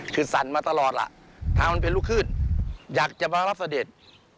คือสั่นมาตลอดล่ะทางมันเป็นลูกขึ้นอยากจะมารับเสด็จ